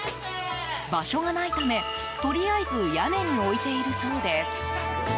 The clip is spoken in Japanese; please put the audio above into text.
場所がないためとりあえず屋根に置いているそうです。